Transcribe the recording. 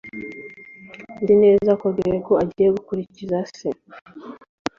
Nzi neza ko Greg agiye gukurikiza se.